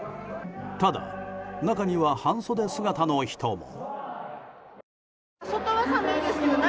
ただ、中には半袖姿の人も。